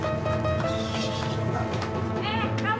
gila bener nah